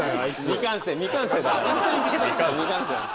未完成未完成だから。